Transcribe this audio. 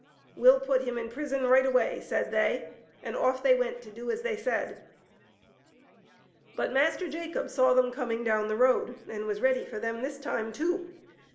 "We'll put him in prison right away, said they, and off they went to do as they said. But Master Jacob saw them coming down the road, and was ready for them this time too.